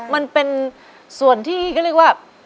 มันเป็นส่วนที่ก็เรียกว่า